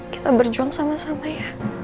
kita berjuang sama sama ya